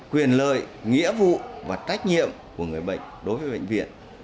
quyền lợi nghĩa vụ và trách nhiệm của người bệnh đối với bệnh viện